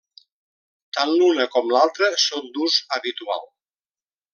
Tant l'una com l'altra són d'ús habitual.